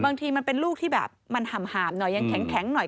บางทีมันเป็นลูกที่แบบมันหามหน่อยยังแข็งหน่อย